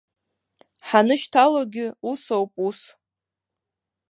Ҳанышьҭалогь усоуп, ус.